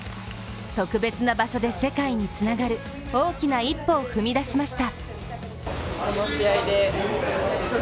特別な場所で、世界につながる大きな一歩を踏み出しました。